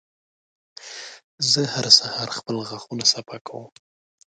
زه هر سهار خپل غاښونه صفا کوم.